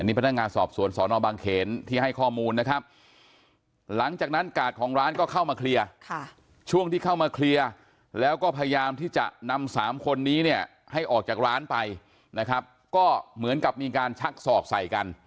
นี่พนักงานสอบสวนสอนอบางเขนที่ให้ข้อมูลนะครับหลังจากนั้นกาดของร้านก็เข้ามาเคลียร์ช่วงที่เข้ามาเคลียร์แล้วก็พยายามที่จะนำสามคนนี้เนี่ยให้ออกจากร้านไปนะครับก็เหมือนกับมีการชักศอกใส่กัน